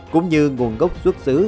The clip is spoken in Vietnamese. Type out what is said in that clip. cũng như nguồn gốc xuất xứ